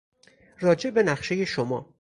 راجع به نقشهی شما